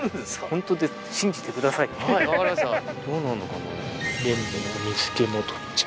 どうなんのかな？